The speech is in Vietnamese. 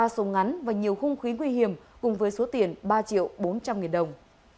ba súng ngắn và nhiều khung khí nguy hiểm cùng với số tiền ba triệu bốn trăm linh nghìn đồng